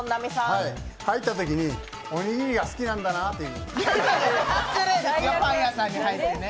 入ったときにおにぎりが好きなんだなって言う。